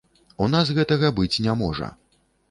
У нас гэтага быць не можа.